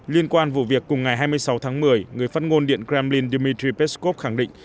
liên quan vụ việc cùng ngày hai mươi sáu tháng một mươi người phát ngôn điện kremlin dmitry peskov khẳng định